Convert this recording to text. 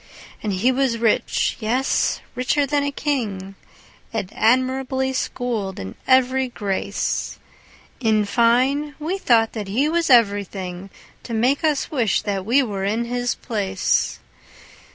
And he was rich, yes, richer than a king, And admirably schooled in every grace: In fine, we thought that he was everything To make us wish that we were in his place.